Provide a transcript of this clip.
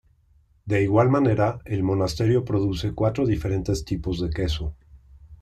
De igual manera, el monasterio produce cuatro diferentes tipos de queso.